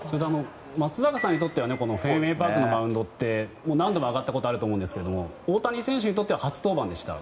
松坂さんにとってはフェンウェイ・パークのマウンドって何度も上がったことがあると思いますが大谷選手にとっては初登板でした。